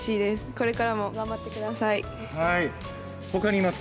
これからも頑張ってください。